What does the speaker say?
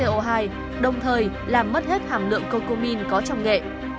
bị nhiễm khí co hai đồng thời làm mất hết hàm lượng cocomine có trong nghệ